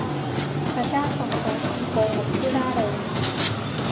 พระเจ้าทรงรักคนโกหกที่ร่าเริง